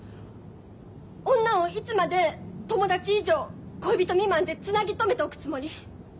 女をいつまで友達以上恋人未満でつなぎ止めておくつもり？